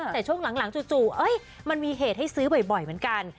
แต่ช่วงหลังจู่มันมีเหตุให้ซื้อบ่อยเหมือนกัน